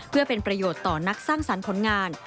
เพื่อเป็นประโยชน์ต่อนักสร้างสรรค์ผลงาน